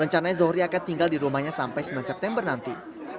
rencana zohri akan tinggal di rumahnya sampai sembilan september nanti